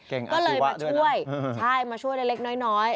ก็เลยมาช่วยมาช่วยเล็กน้อย